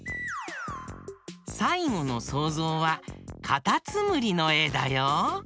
さいごのそうぞうはかたつむりのえだよ。